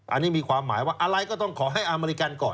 อันนี้มีความหมายว่าอะไรก็ต้องขอให้อเมริกันก่อน